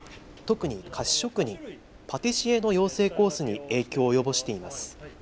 卵の価格高騰は、特に菓子職人、パティシエの養成コースに影響を及ぼしています。